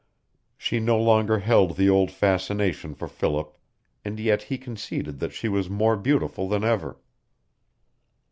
She no longer held the old fascination for Philip, and yet he conceded that she was more beautiful than ever.